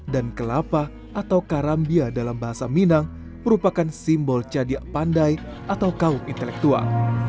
dan kelapa atau karambia dalam bahasa minang merupakan simbol cadia pandai atau kaum intelektual